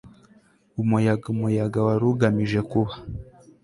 umuyaga umuyaga wari ugamije kuba